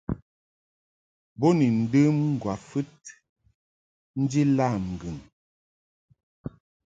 Bo ni ndəm ŋgwafɨd nji lam ŋgɨŋ.